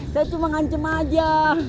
saya cuma ngancam aja